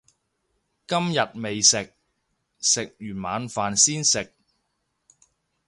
今日未食，食完晚飯先食